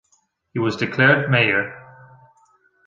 He was declared mayor.